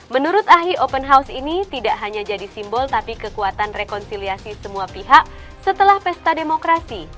menurut ahli open house ini tidak hanya jadi simbol tapi kekuatan rekonsiliasi semua pihak setelah pesta demokrasi